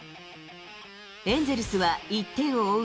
エンゼルスは１点を追う